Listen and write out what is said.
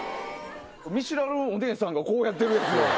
見知らぬお姉さんがこうやってるやつ。